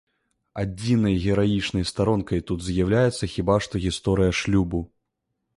Адзінай гераічнай старонкай тут з'яўляецца хіба што гісторыя шлюбу.